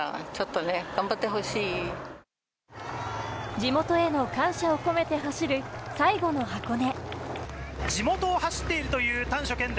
地元への感謝を込めて走る最後の箱根。